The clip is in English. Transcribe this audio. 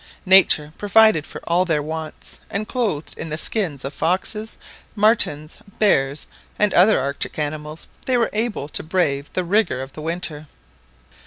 Nature provided for all their wants; and clothed in the skins of foxes, martens, bears, and other Arctic animals, they were able to brave the rigour of the winter.